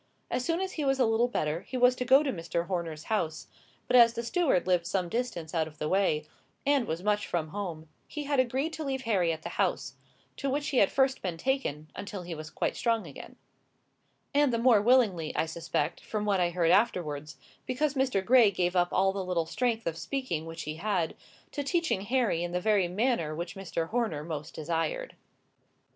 As soon as he was a little better, he was to go to Mr. Horner's house; but, as the steward lived some distance out of the way, and was much from home, he had agreed to leave Harry at the house; to which he had first been taken, until he was quite strong again; and the more willingly, I suspect, from what I heard afterwards, because Mr. Gray gave up all the little strength of speaking which he had, to teaching Harry in the very manner which Mr. Horner most desired.